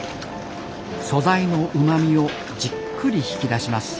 素材のうまみをじっくり引き出します。